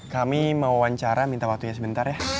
kami mau wawancara minta waktunya sebentar ya